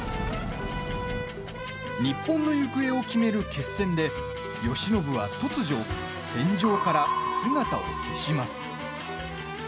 日本の行方を決める決戦で慶喜は突如戦場から姿を消します。